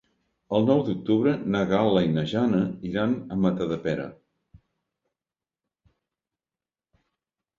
El nou d'octubre na Gal·la i na Jana iran a Matadepera.